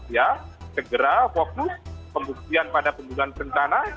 ya segera fokus pembuktian pada pembunuhan berencana